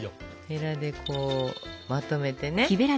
へらでこうまとめてね。